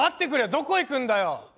どこ行くんだよ